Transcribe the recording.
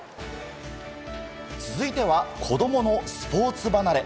続いては子供のスポーツ離れ。